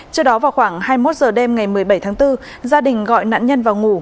trước đó vào khoảng hai mươi một h đêm ngày một mươi bảy tháng bốn gia đình gọi nạn nhân vào ngủ